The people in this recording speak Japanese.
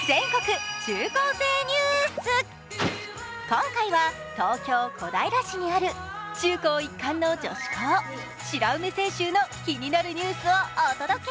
今回は東京・小平市にある中高一貫の女子校白梅学園清修の気になるニュースをお届け。